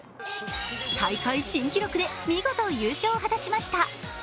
大会新記録で見事優勝を果たしました。